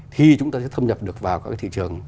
thì chúng ta sẽ thâm nhập được vào các cái thị trường